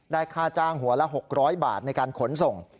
ค่าจ้างหัวละ๖๐๐บาทในการขนส่ง